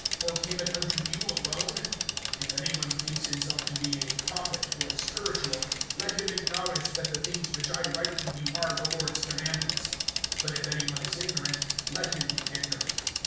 Or came it unto you alone? (37)If any one thinks himself to be a prophet, or spiritual, let him acknowledge that the things which I write to you are the Lord's commandments. (38)But if any one is ignorant, let him be ignorant.